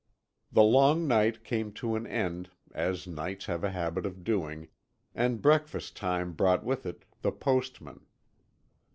The long night came to an end, as nights have a habit of doing, and breakfast time brought with it the postman.